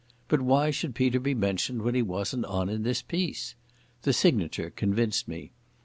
But why should Peter be mentioned when he wasn't on in this piece? The signature convinced me.